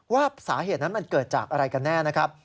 ว่าสาเหตุนั้นมันเกิดจากอะไรกันแน่นะครับ